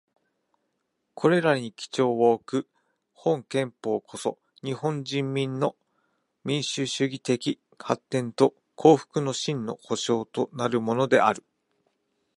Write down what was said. これらに基調をおく本憲法こそ、日本人民の民主主義的発展と幸福の真の保障となるものである。